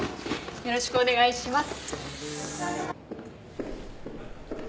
よろしくお願いします。